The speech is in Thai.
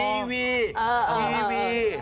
อีวี